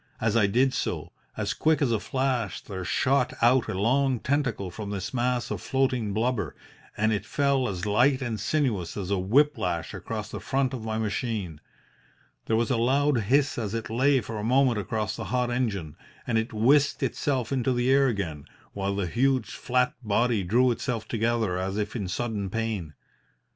As I did so, as quick as a flash there shot out a long tentacle from this mass of floating blubber, and it fell as light and sinuous as a whip lash across the front of my machine. There was a loud hiss as it lay for a moment across the hot engine, and it whisked itself into the air again, while the huge flat body drew itself together as if in sudden pain.